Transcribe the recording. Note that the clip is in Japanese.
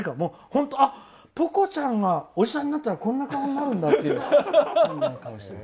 ポコちゃんがおじさんになったらこんな顔になるんだっていう。